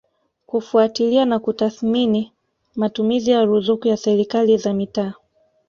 kufuatilia na kutathimini matumizi ya ruzuku ya Serikali za Mitaa